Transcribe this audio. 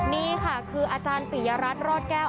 นี่ค่ะคืออาจารย์ปิยรัฐรอดแก้ว